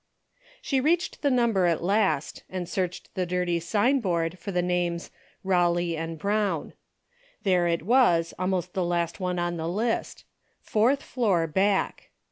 She reached the number at last, and searched the dirty sign board for the names " Rawley and Brown." There it was almost the last one on the list, " Fourth floor, back."